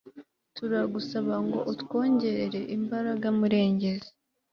turagusaba ngo utwongerere imbaraga murengezi